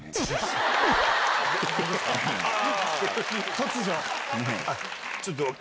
突如！